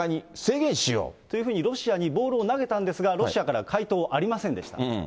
というふうに、ロシアにボールを投げたんですが、ロシアから回答はありませんでした。